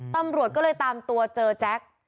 ตำรวจก็เลยตามตัวเจอแจ็ค